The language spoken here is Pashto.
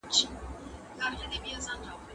ټولنیزه بیا کتنه دوهم مهم عامل و.